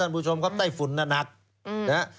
ท่านผู้ชมครับใต้ฝุ่นนั้นอาจ